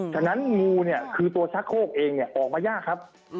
ฉะนั้นงูเนี่ยคือตัวชักโคกเองออกมายากครับ